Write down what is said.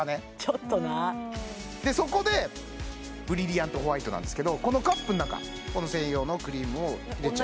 ちょっとなそこでブリリアントホワイトなんですけどこのカップの中この専用のクリームを入れちゃいます